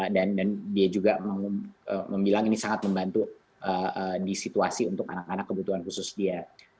dan dia juga bilang ini sangat membantu di situasi untuk anak anak kebutuhan khusus dia